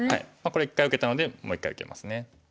これ一回受けたのでもう一回受けますね。